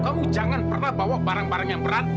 kamu jangan pernah bawa barang barang yang berat